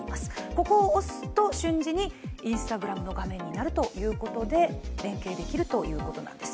ここを押すと、瞬時にＩｎｓｔａｇｒａｍの画面になるということで連携できるということなんです。